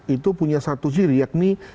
itu punya satu z yakni